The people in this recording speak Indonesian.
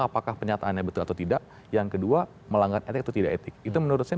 apakah pernyataannya betul atau tidak yang kedua melanggar etik atau tidak etik itu menurut saya